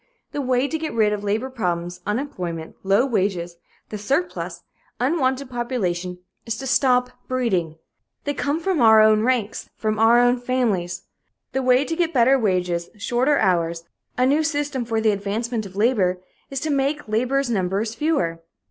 The way to get rid of labor problems, unemployment, low wages, the surplus, unwanted population, is to stop breeding. They come from our own ranks from our own families. The way to get better wages, shorter hours, a new system for the advancement of labor, is to make labor's numbers fewer.